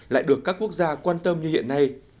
lại được các quốc gia quan tâm như hiện nay